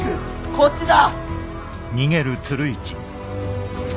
こっちだ！